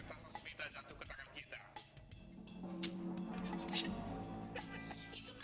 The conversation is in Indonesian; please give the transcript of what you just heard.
saja sore bisa menerima keadaan ini